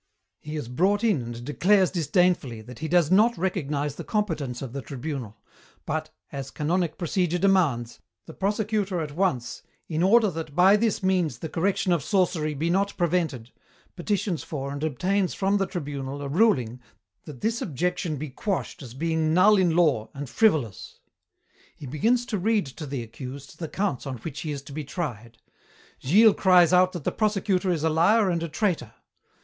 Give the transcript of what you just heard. He is brought in and declares disdainfully that he does not recognize the competence of the Tribunal, but, as canonic procedure demands, the Prosecutor at once 'in order that by this means the correction of sorcery be not prevented,' petitions for and obtains from the tribunal a ruling that this objection be quashed as being null in law and 'frivolous.' He begins to read to the accused the counts on which he is to be tried. Gilles cries out that the Prosecutor is a liar and a traitor.